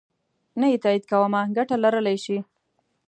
نه یې تایید کومه ګټه لرلای شي.